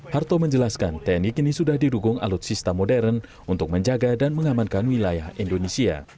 harto menjelaskan tni kini sudah didukung alutsista modern untuk menjaga dan mengamankan wilayah indonesia